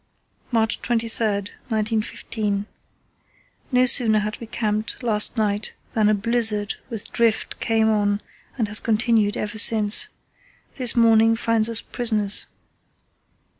"March 23, 1915.—No sooner had we camped last night than a blizzard with drift came on and has continued ever since. This morning finds us prisoners.